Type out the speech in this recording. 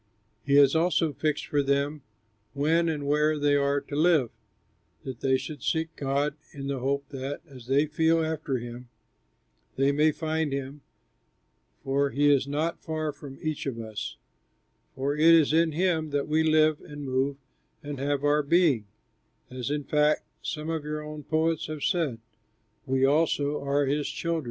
He has also fixed for them when and where they are to live, that they should seek God in the hope that, as they feel after him, they may find him, for he is not far from each one of us; for it is in him that we live, and move, and have our being, as in fact, some of your own poets have said, 'We also are his children.'